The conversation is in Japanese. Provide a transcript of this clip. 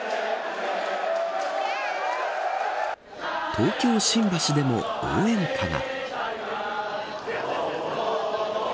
東京・新橋でも応援歌が。